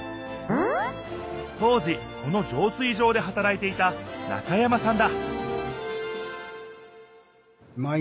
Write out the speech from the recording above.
当時このじょう水場ではたらいていた中山さんだ